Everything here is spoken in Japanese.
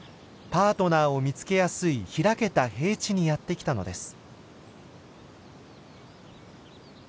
パートナーを見つけやすい開けた平地にやって来たのです。